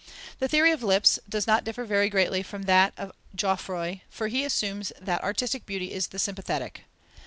The theory of Lipps does not differ very greatly from that of Jouffroy, for he assumes that artistic beauty is the sympathetic.